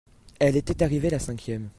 elle était arrivée la cinquième.